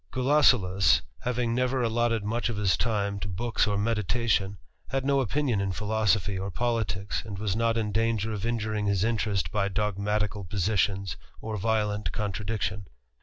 Gulosulus, having never allotted much of his time to books or meditation, had no opinion in philosophy <^ politicks, and was not in danger of injuring his interest by dogmatical positions, or violent contradiction.